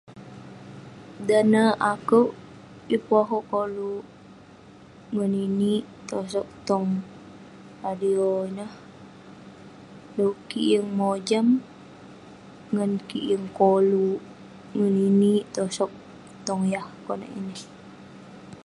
Dan ne akeuk, ye pun akeuk koluk ngeninik tosoq tong audio ineh duk kik yeng mojam ngan kik yeng koluk ngeninik tosoq tong yah konak ineh.